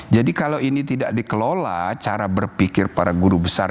jadi kalau ini tidak dikelola cara berpikir para guru besar